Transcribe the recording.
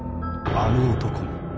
あの男に。